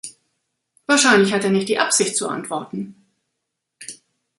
Wahrscheinlich hat er nicht die Absicht, zu antworten!